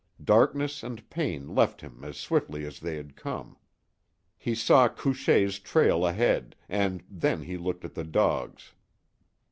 Darkness and pain left him as swiftly as they had come. He saw Couchée's trail ahead, and then he looked at the dogs.